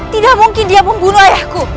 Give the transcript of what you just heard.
tidak mungkin dia membunuh ayahku